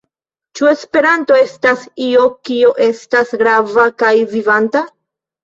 Ĉu Esperanto estas io, kio estas grava kaj vivanta?